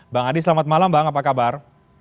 bang adi selamat malam bang apa kabar